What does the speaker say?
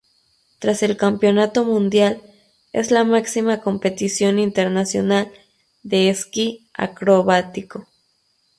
Tras el Campeonato Mundial, es la máxima competición internacional de esquí acrobático.